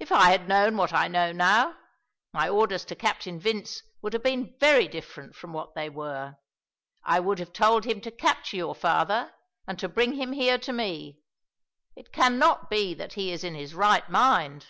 If I had known what I know now, my orders to Captain Vince would have been very different from what they were. I would have told him to capture your father, and to bring him here to me. It cannot be that he is in his right mind!"